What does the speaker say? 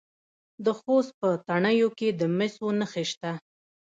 د خوست په تڼیو کې د مسو نښې شته.